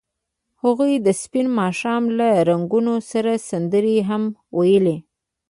هغوی د سپین ماښام له رنګونو سره سندرې هم ویلې.